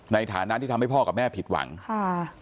ในฐานะที่ทำให้พ่อกับแม่ผิดหวังค่ะ